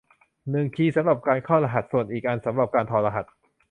หนึ่งคีย์สำหรับการเข้ารหัสส่วนอีกอันสำหรับการถอดรหัส